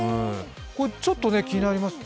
ちょっと気になりますよね。